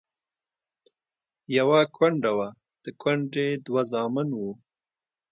يوه کونډه وه، د کونډې دوه زامن وو.